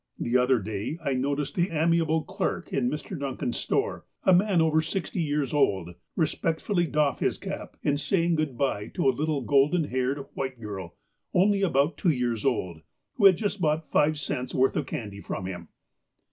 The other day I noticed the amiable clerk in Mr. Dun can's store, a man over sixty years old, respectfully doff his cap in saying good bye to a little golden haired white girl, only about two years old, who had just bought five cents' worth of candy from him.